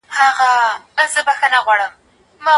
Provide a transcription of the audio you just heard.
استازو به د کورنيو توليداتو د ساتنې قانون جوړ کړی وي.